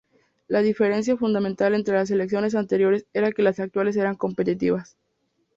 La diferencia fundamental entre las elecciones anteriores eran que las actuales eran competitivas.